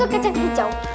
kalau kacang hijau enak ya